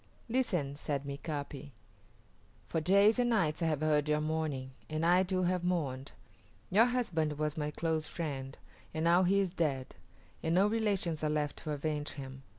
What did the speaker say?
"Listen!" said Mika´pi. "For days and nights I have heard your mourning, and I too have mourned. Your husband was my close friend, and now he is dead, and no relations are left to avenge him.